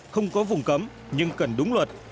không có vùng cấm nhưng cần đúng luật